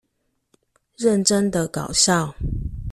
認真的搞笑